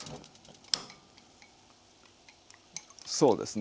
そうですね。